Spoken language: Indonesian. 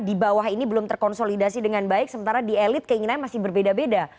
di bawah ini belum terkonsolidasi dengan baik sementara di elit keinginannya masih berbeda beda